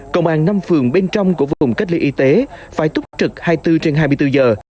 công an năm phường bên trong của vùng cách ly y tế phải túc trực hai mươi bốn trên hai mươi bốn giờ